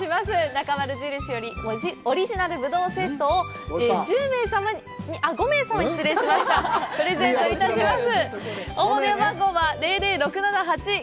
なかまる印よりオリジナルぶどうセットを５名様にプレゼントします。